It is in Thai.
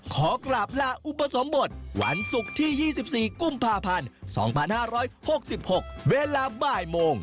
ขอกราบลาอุปสมบทวันศุกร์ที่๒๔กุมภาพันธ์๒๕๖๖เวลาบ่ายโมง